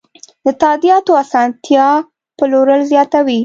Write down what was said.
د تادیاتو اسانتیا پلور زیاتوي.